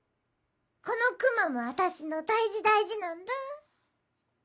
このクマもあたしの大事大事なんだ。